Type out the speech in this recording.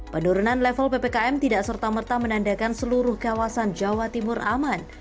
penurunan level ppkm tidak serta merta menandakan seluruh kawasan jawa timur aman